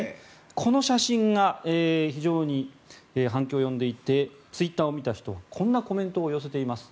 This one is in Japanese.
この写真が非常に反響を呼んでいてツイッターを見た人はこんなコメントを寄せています。